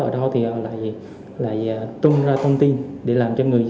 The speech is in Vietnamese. ở đâu thì lại tung ra thông tin để làm cho người dân